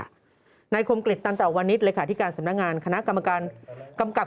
ค่ะนายคมกลิดตั้งแต่วันนี้เลยค่ะที่การสำนักงานคณะกรรมการกำกับ